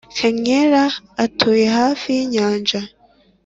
kankera atuye hafi yinyanja